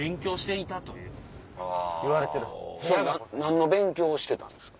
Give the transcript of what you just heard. それ何の勉強をしてたんですか？